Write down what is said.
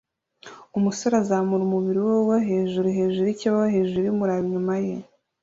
Umusore azamura umubiri we wo hejuru hejuru yikibaho hejuru yumuraba inyuma ye